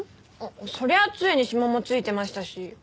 そりゃあ杖に指紋も付いてましたし。